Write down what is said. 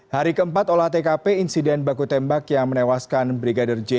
hari keempat olah tkp insiden baku tembak yang menewaskan brigadir j